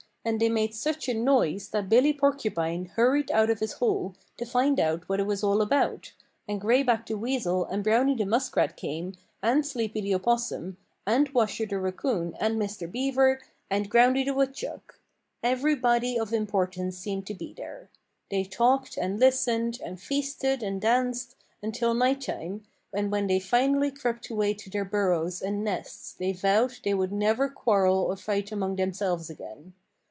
And they made such a noise that Billy Porcupine hurried out of his hole to find out what it was all about, and Gray Back the Weasel and Browny the Muskrat came, and Sleepy the Opossum, and Washer the Raccoon and Mr. Beaver and Groundy the Woodchuck. Everybody of importance seemed to be there. They talked and listened, and feasted and danced, until night time, and when they finally crept away to their burrows and nests they vowed they would never quarrel or fight among themselves again.